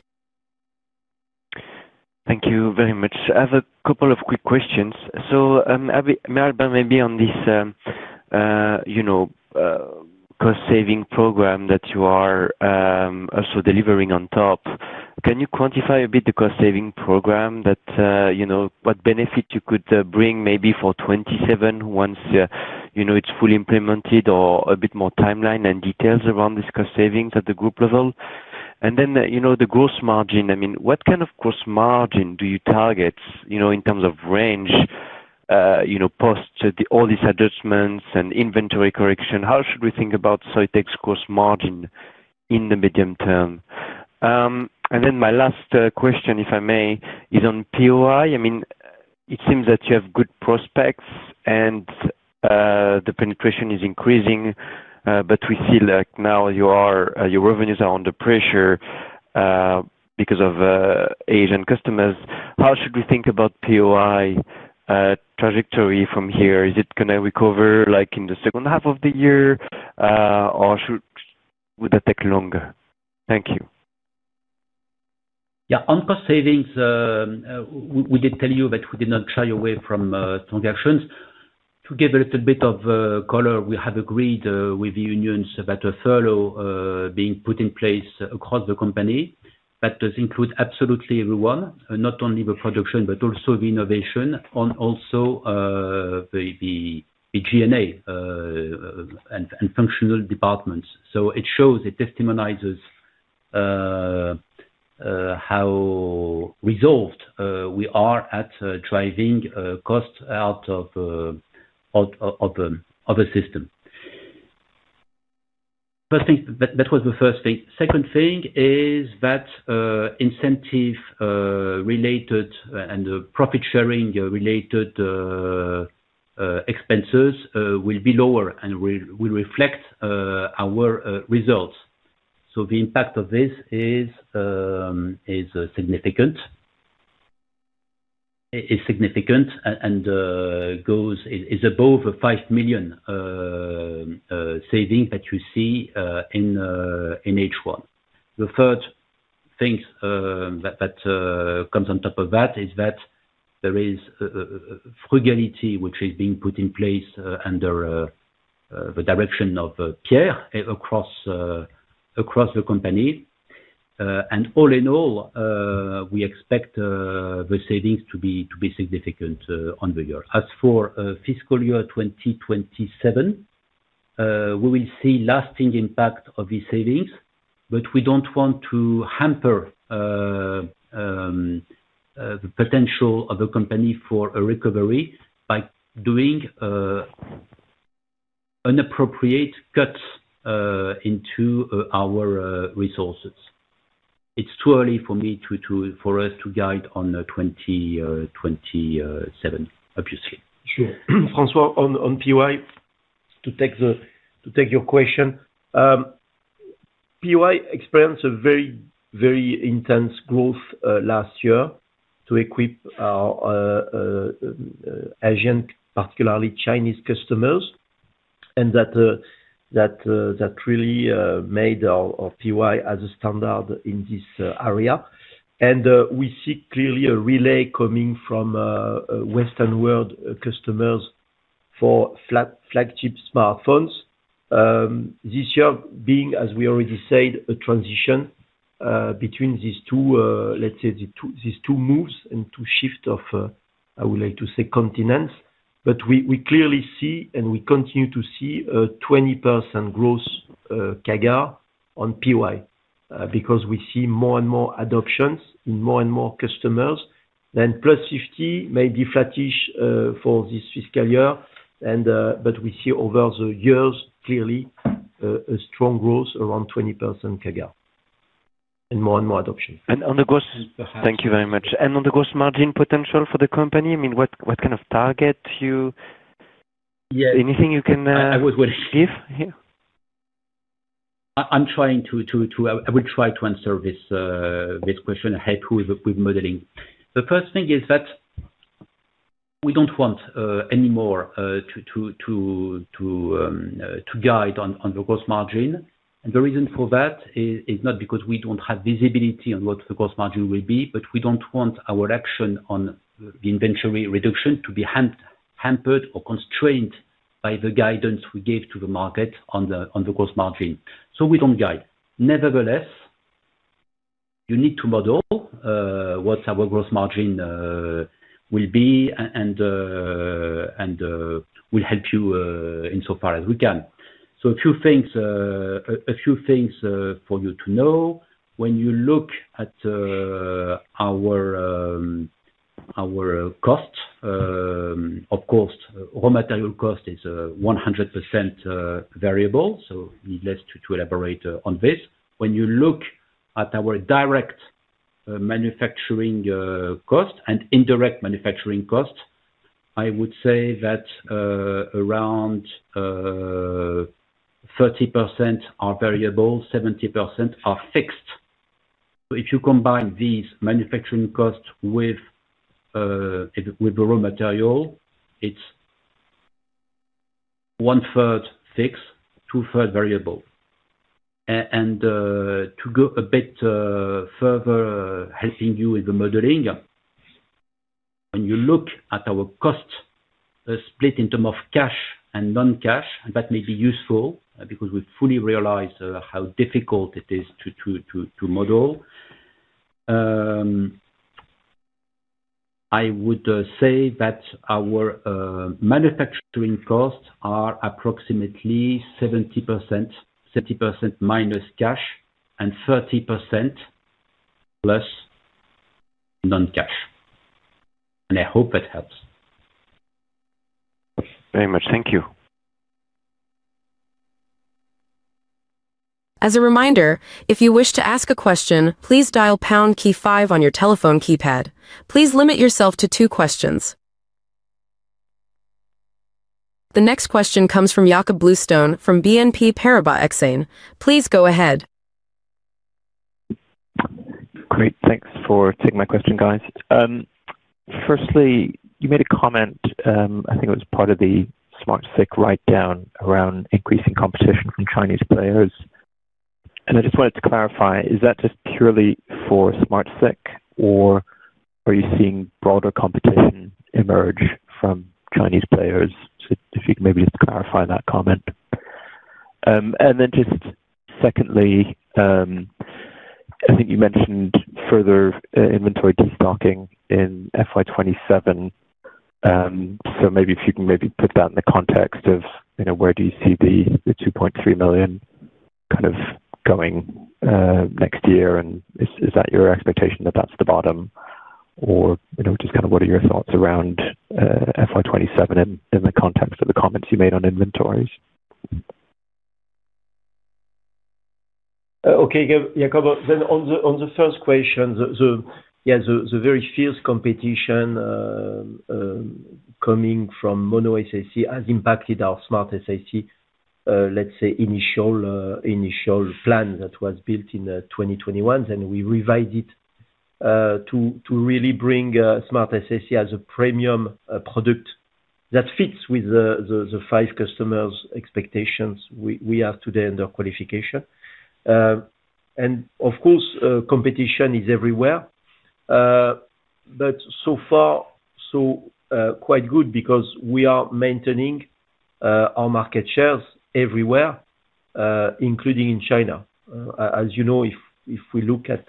Thank you very much. I have a couple of quick questions. Maybe on this cost-saving program that you are also delivering on top, can you quantify a bit the cost-saving program, what benefit you could bring maybe for 2027 once it's fully implemented, or a bit more timeline and details around this cost-saving at the group level? The gross margin, I mean, what kind of gross margin do you target in terms of range post all these adjustments and inventory correction? How should we think about Soitec's gross margin in the medium term? My last question, if I may, is on POI. I mean, it seems that you have good prospects and the penetration is increasing, but we feel like now your revenues are under pressure because of Asian customers. How should we think about POI trajectory from here? Is it going to recover in the second half of the year, or should that take longer? Thank you. Yeah, on cost savings, we did tell you that we did not shy away from transactions. To give a little bit of color, we have agreed with the unions that a furlough is being put in place across the company, but it includes absolutely everyone, not only the production, but also the innovation, and also the G&A and functional departments. It shows, it testimonizes how resolved we are at driving costs out of a system. That was the first thing. Second thing is that incentive-related and profit-sharing-related expenses will be lower and will reflect our results. The impact of this is significant and is above 5 million savings that you see in H1. The third thing that comes on top of that is that there is frugality which is being put in place under the direction of Pierre across the company. All in all, we expect the savings to be significant on the year. As for fiscal year 2027, we will see lasting impact of these savings, but we do not want to hamper the potential of the company for a recovery by doing unappropriate cuts into our resources. It is too early for us to guide on 2027, obviously. Sure. François, on POI, to take your question, POI experienced a very, very intense growth last year to equip our Asian, particularly Chinese customers, and that really made our POI as a standard in this area. We see clearly a relay coming from Western world customers for flagship smartphones. This year being, as we already said, a transition between these two, let us say, these two moves and two shifts of, I would like to say, continents. We clearly see, and we continue to see, a 20% growth CAGR on POI because we see more and more adoptions in more and more customers +50 may be flattish for this fiscal year, but we see over the years, clearly, a strong growth around 20% CAGR and more and more adoption. On the gross margin? Thank you very much. On the gross margin potential for the company, I mean, what kind of target you? Anything you can give here? I'm trying to—I will try to answer this question ahead with modeling. The first thing is that we don't want anymore to guide on the gross margin. The reason for that is not because we do not have visibility on what the gross margin will be, but we do not want our action on the inventory reduction to be hampered or constrained by the guidance we gave to the market on the gross margin. We do not guide. Nevertheless, you need to model what our gross margin will be and will help you insofar as we can. A few things for you to know. When you look at our cost, of course, raw material cost is 100% variable, so needless to elaborate on this. When you look at our direct manufacturing cost and indirect manufacturing cost, I would say that around 30% are variable, 70% are fixed. If you combine these manufacturing costs with the raw material, it is one-third fixed, two-thirds variable. To go a bit further helping you with the modeling, when you look at our cost split in terms of cash and non-cash, that may be useful because we fully realize how difficult it is to model. I would say that our manufacturing costs are approximately 70%- cash and 30%+ non-cash. I hope that helps. Very much. Thank you. As a reminder, if you wish to ask a question, please dial pound key five on your telephone keypad. Please limit yourself to two questions. The next question comes from Jakob Bluestone from BNP Paribas Exane. Please go ahead. Great. Thanks for taking my question, guys. Firstly, you made a comment, I think it was part of the SmartSiC write-down around increasing competition from Chinese players. I just wanted to clarify, is that just purely for SmartSiC, or are you seeing broader competition emerge from Chinese players? If you can maybe just clarify that comment. Secondly, I think you mentioned further inventory destocking in FY 2027. If you can maybe put that in the context of where you see the 2.3 million kind of going next year, and is that your expectation that that's the bottom? What are your thoughts around FY2027 in the context of the comments you made on inventories? Okay, Jakob, then on the first question, yeah, the very fierce competition coming from Mono SiC has impacted our SmartSiC, let's say, initial plan that was built in 2021, and we revised it to really bring SmartSiC as a premium product that fits with the five customers' expectations we have today under qualification. Of course, competition is everywhere. So far, so quite good because we are maintaining our market shares everywhere, including in China. As you know, if we look at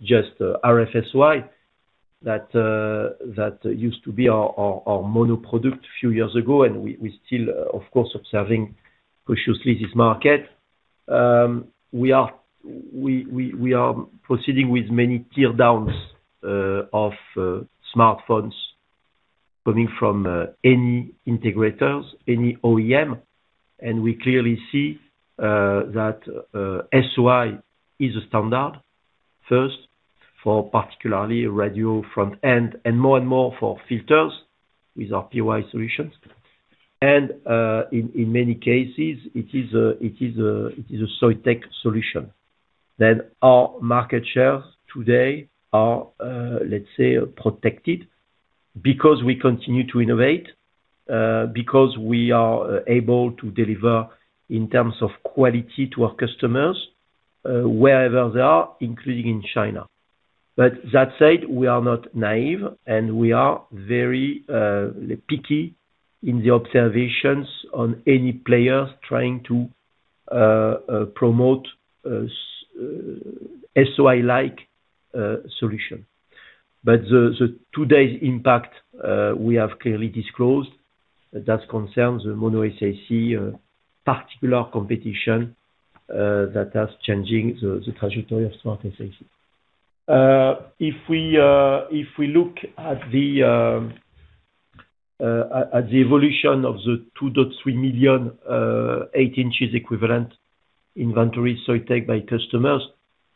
just RF-SOI, that used to be our Mono product a few years ago, and we're still, of course, observing cautiously this market. We are proceeding with many teardowns of smartphones coming from any integrators, any OEM, and we clearly see that SOI is a standard first for particularly radio front-end and more and more for filters with our POI solutions. In many cases, it is a Soitec solution. Our market shares today are, let's say, protected because we continue to innovate, because we are able to deliver in terms of quality to our customers wherever they are, including in China. That said, we are not naive, and we are very picky in the observations on any players trying to promote SOI-like solutions. Today's impact we have clearly disclosed concerns Mono SiC, particular competition that is changing the trajectory of SmartSiC. If we look at the evolution of the 2.3 million 8-inch equivalent inventory Soitec by customers,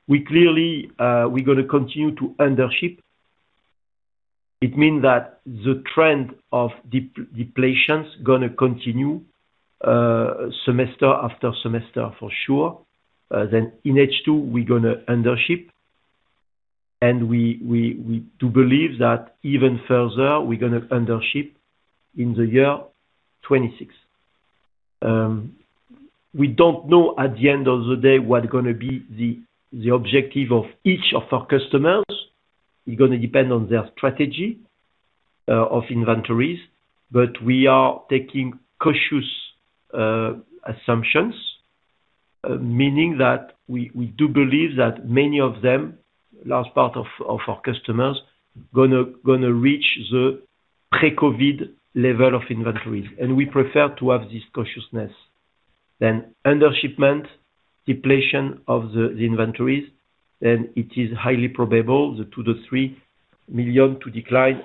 we are clearly going to continue to undership. It means that the trend of depletion is going to continue semester after semester for sure. In H2, we are going to undership. We do believe that even further, we are going to undership in the year 2026. We don't know at the end of the day what's going to be the objective of each of our customers. It's going to depend on their strategy of inventories, but we are taking cautious assumptions, meaning that we do believe that many of them, large part of our customers, are going to reach the pre-COVID level of inventories. We prefer to have this cautiousness. Undershipment, depletion of the inventories, it is highly probable the 2.3 million to decline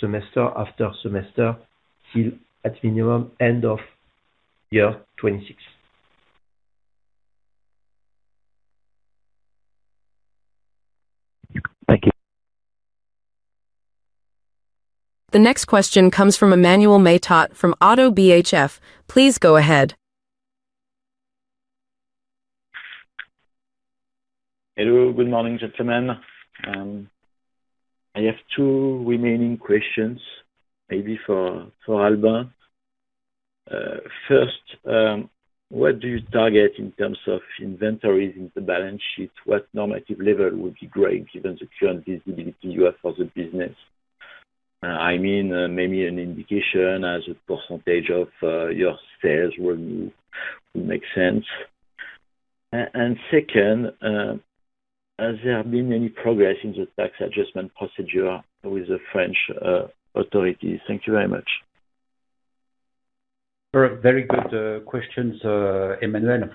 semester after semester till at minimum end of year 2026. Thank you. The next question comes from Emmanuel Matot from ODDO BHF. Please go ahead. Hello, good morning, gentlemen. I have two remaining questions, maybe for Albin. First, what do you target in terms of inventories in the balance sheet? What normative level would be great given the current visibility you have for the business? I mean, maybe an indication as a percentage of your sales would make sense. Second, has there been any progress in the tax adjustment procedure with the French authorities? Thank you very much. Very good questions, Emmanuel.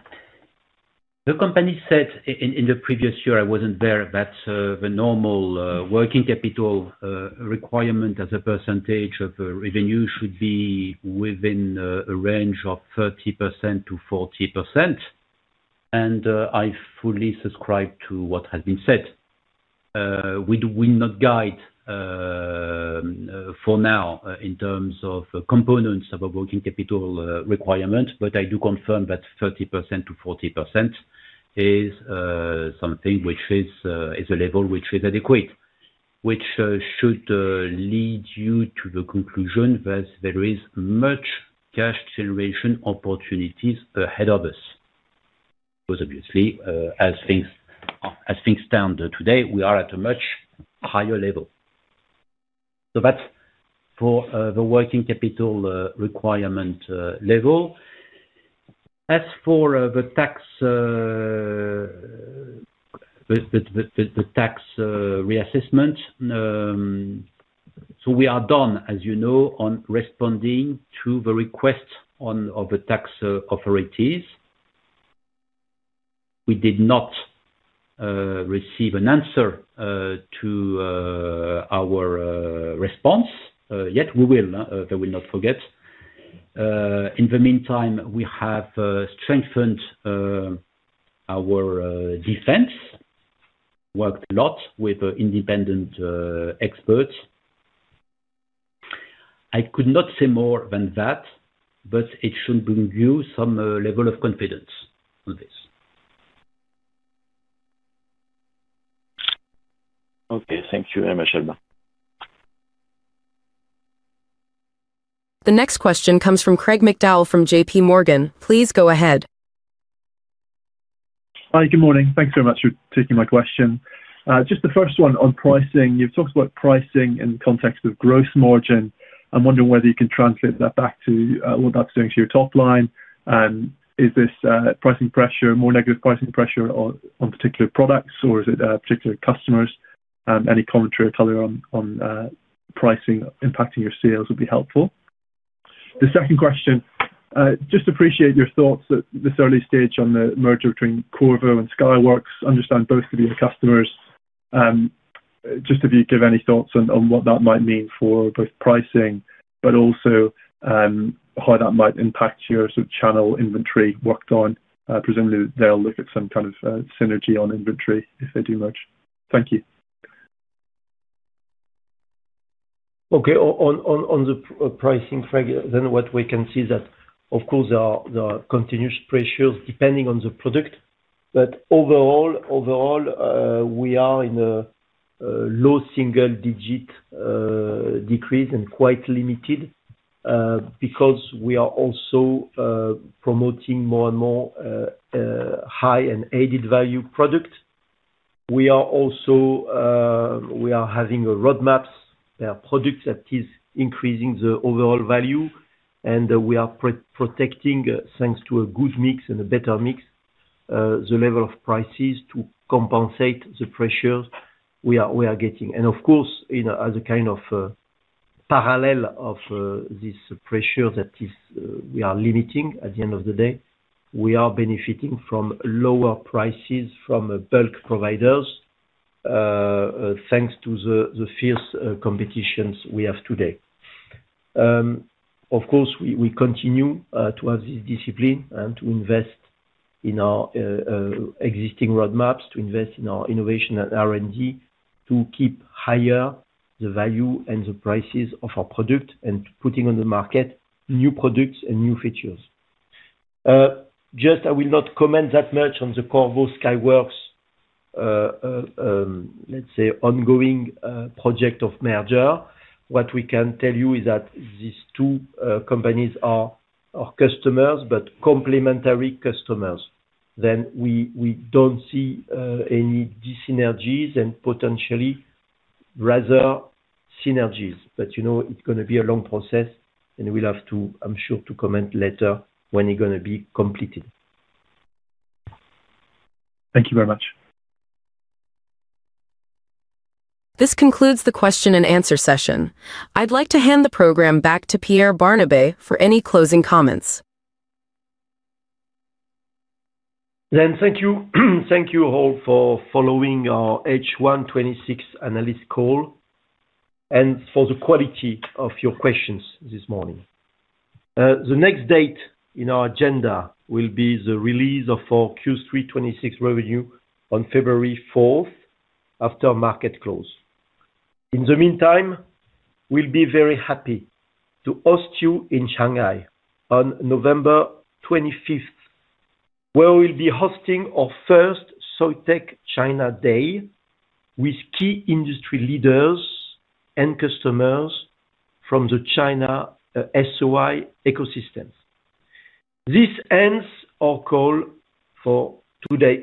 The company said in the previous year, I wasn't there, that the normal working capital requirement as a percentage of revenue should be within a range of 30%-40%. I fully subscribe to what has been said. We will not guide for now in terms of components of our working capital requirement, but I do confirm that 30%-40% is something which is a level which is adequate, which should lead you to the conclusion that there is much cash generation opportunities ahead of us. Because obviously, as things stand today, we are at a much higher level. That is for the working capital requirement level. As for the tax reassessment, we are done, as you know, on responding to the request of the tax authorities. We did not receive an answer to our response yet. We will. I will not forget. In the meantime, we have strengthened our defense, worked a lot with independent experts. I could not say more than that, but it should bring you some level of confidence on this. Okay. Thank you very much, Albert. The next question comes from Craig McDowell from JPMorgan. Please go ahead. Hi, good morning. Thanks very much for taking my question. Just the first one on pricing. You've talked about pricing in the context of gross margin. I'm wondering whether you can translate that back to what that's doing to your top line. Is this pricing pressure, more negative pricing pressure on particular products, or is it particular customers? Any commentary or color on pricing impacting your sales would be helpful. The second question, just appreciate your thoughts at this early stage on the merger between Qorvo and Skyworks. Understand both to be your customers. Just if you give any thoughts on what that might mean for both pricing, but also how that might impact your sort of channel inventory worked on. Presumably, they'll look at some kind of synergy on inventory if they do merge. Thank you. Okay. On the pricing fragment, then what we can see is that, of course, there are continuous pressures depending on the product. Overall, we are in a low single-digit decrease and quite limited because we are also promoting more and more high and added value products. We are having a roadmap, a product that is increasing the overall value, and we are protecting, thanks to a good mix and a better mix, the level of prices to compensate the pressures we are getting. Of course, as a kind of parallel of this pressure that we are limiting at the end of the day, we are benefiting from lower prices from bulk providers thanks to the fierce competitions we have today. Of course, we continue to have this discipline and to invest in our existing roadmaps, to invest in our innovation and R&D to keep higher the value and the prices of our product and putting on the market new products and new features. I will not comment that much on the Qorvo Skyworks, let's say, ongoing project of merger. What we can tell you is that these two companies are customers, but complementary customers. We do not see any synergies and potentially rather synergies. It is going to be a long process, and we will have to, I am sure, comment later when it is completed. Thank you very much. This concludes the question and answer session. I would like to hand the program back to Pierre Barnabé for any closing comments. Thank you all for following our H126 analyst call and for the quality of your questions this morning. The next date in our agenda will be the release of our Q326 revenue on February 4 after market close. In the meantime, we will be very happy to host you in Shanghai on November 25, where we will be hosting our first Soitec China Day with key industry leaders and customers from the China SOI ecosystems. This ends our call for today.